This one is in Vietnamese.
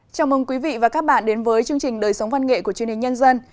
chào mừng quý vị và các bạn đến với chương trình đời sống văn nghệ của truyền hình nhân dân